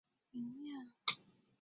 乐曲短小而曲风明亮。